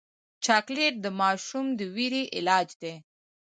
چاکلېټ د ماشوم د ویرې علاج دی.